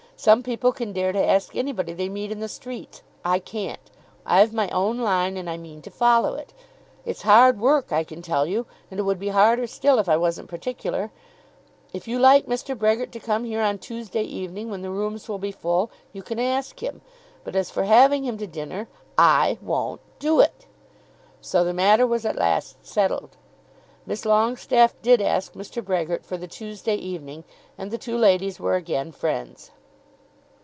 Some people can dare to ask anybody they meet in the streets. I can't. I've my own line, and I mean to follow it. It's hard work, I can tell you; and it would be harder still if I wasn't particular. If you like Mr. Brehgert to come here on Tuesday evening, when the rooms will be full, you can ask him; but as for having him to dinner, I won't do it." So the matter was at last settled. Miss Longestaffe did ask Mr. Brehgert for the Tuesday evening, and the two ladies were again friends.